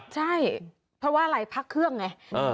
ใช่เพราะว่าลายพรรคเครื่องไง